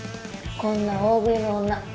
こんな大食いの女